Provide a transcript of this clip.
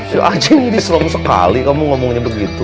si aceh umur disuruh sekali kamu ngomongnya begitu